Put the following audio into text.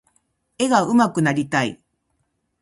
絵が上手くなりたい。